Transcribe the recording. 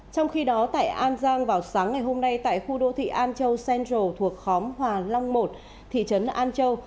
trong khi đó tại an giang vào sáng ngày hôm nay tại khu đô thị an châu central thuộc khóm hòa long một thị trấn an châu